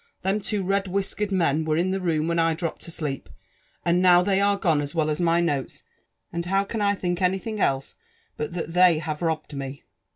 Them two rediwhisk ered men were in the room when I dropped asleep, and now they are gone, as well as my notes, and tiow can i think enythtng elsa but that they have robbed me?